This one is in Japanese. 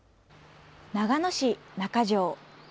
長野市中条。